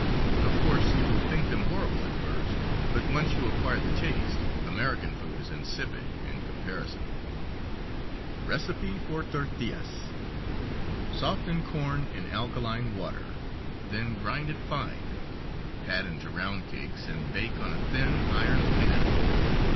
Of course you will think them horrible at first, but once you acquire the taste, American food is insipid in comparison. Recipe for tortillas: Soften corn in alkaline water, then grind it fine, pat into round cakes, and bake on a thin, iron pan.